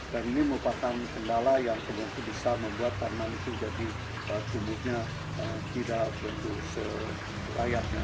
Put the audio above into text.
dan ini merupakan kendala yang kebanyakan bisa membuat tanaman itu jadi tumbuhnya tidak berbentuk se layaknya